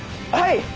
はい！